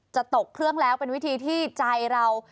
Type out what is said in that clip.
จะตกเครื่องแล้วเป็นวิธีที่ใจเรา